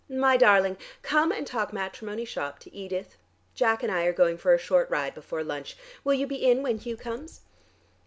My darling, come and talk matrimony shop to Edith, Jack and I are going for a short ride before lunch. Will you be in when Hugh comes?"